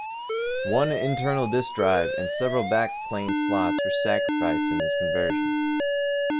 One internal disk drive and several backplane slots were sacrificed in this conversion.